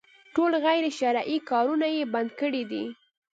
ټول غير شرعي کارونه يې بند کړي دي.